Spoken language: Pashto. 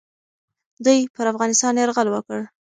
دوی پر افغانستان یرغل وکړ.